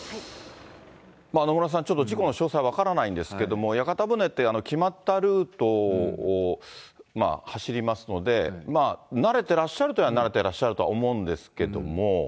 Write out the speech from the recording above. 野村さん、ちょっと事故の詳細分からないんですけども、屋形船って決まったルートを走りますので、慣れてらっしゃるというのは慣れてらっしゃると思うんですけども。